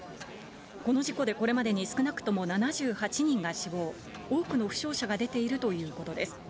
この事故でこれまでに少なくとも７８人が死亡、多くの負傷者が出ているということです。